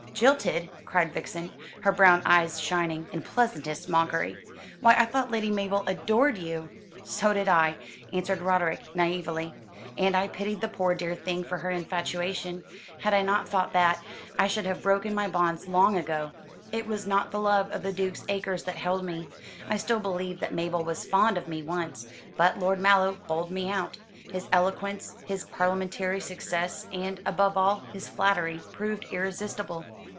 "Jilted!" cried Vixen, her big brown eyes shining, in pleasantest mockery. "Why I thought Lady Mabel adored you?" "So did I," answered Roderick naïvely, "and I pitied the poor dear thing for her infatuation. Had I not thought that, I should have broken my bonds long ago. It was not the love of the Duke's acres that held me. I still believe that Mabel was fond of me once, but Lord Mallow bowled me out. His eloquence, his parliamentary success, and, above all, his flattery, proved irresistible.